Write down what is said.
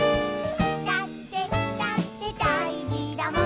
「だってだってだいじだもん」